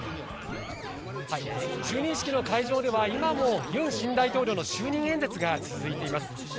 就任式の会場では今もユン新大統領の就任演説が続いています。